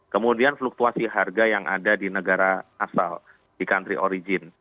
kemudian fluktuasi harga yang ada di negara asal di country origin